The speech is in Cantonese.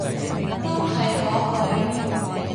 都係嗰句